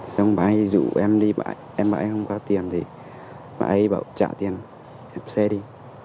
xong bà ấy rủ em đi em bảo em không có tiền thì bà ấy bảo trả tiền em xe đi